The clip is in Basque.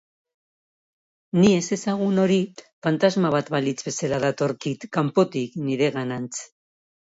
Ni ezezagun hori fantasma bat balitz bezala datorkit, kanpotik, nireganantz.